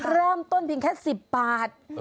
เริ่มต้นเพียงแค่๑๐บาท